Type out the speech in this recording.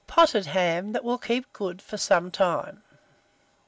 POTTED HAM, that will keep Good for some time.